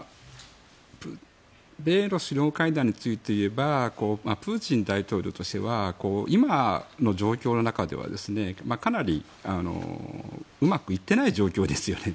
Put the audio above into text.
米ロ首脳会談について言えばプーチン大統領としては今の状況の中ではかなり、うまくいっていない状況ですよね。